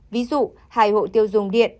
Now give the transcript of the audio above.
ví dụ hai hộ tiêu dùng điện